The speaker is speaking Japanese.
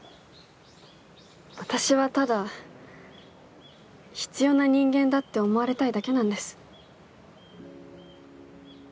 私はただ必要な人間だって思われたいだけなんです。